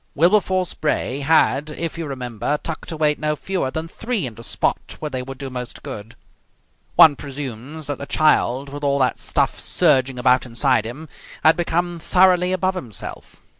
Wilberforce Bray had, if you remember, tucked away no fewer than three in the spot where they would do most good. One presumes that the child, with all that stuff surging about inside him, had become thoroughly above himself.